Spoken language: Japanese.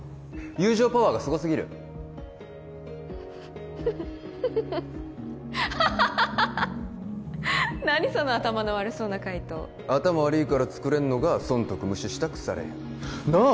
友情パワーがすごすぎるハハハハ何その頭の悪そうな回答頭悪いからつくれんのが損得無視した腐れ縁なあ！